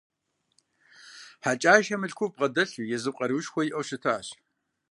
Хьэкӏашэ мылъкуфӏ бгъэдэлъу, езым къаруушхуэ иӏэу щытащ.